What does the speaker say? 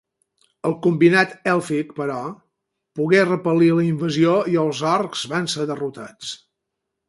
El combinat èlfic, però, pogué repel·lir la invasió i els orcs van ser derrotats.